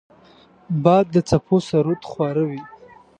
باد د څپو سرود خواره وي